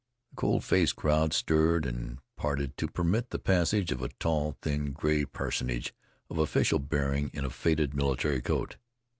The cold faced crowd stirred and parted to permit the passage of a tall, thin, gray personage of official bearing, in a faded military coat.